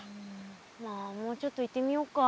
まあもうちょっと行ってみようか。